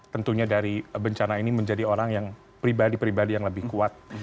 tentunya dari bencana ini menjadi orang yang pribadi pribadi yang lebih kuat